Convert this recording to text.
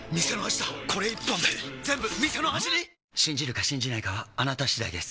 信じるか信じないかはあなた次第です